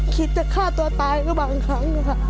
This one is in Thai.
คิดจะฆ่าตัวตายก็บางครั้งนะคะ